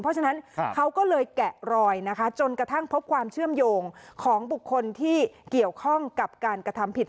เพราะฉะนั้นเขาก็เลยแกะรอยนะคะจนกระทั่งพบความเชื่อมโยงของบุคคลที่เกี่ยวข้องกับการกระทำผิด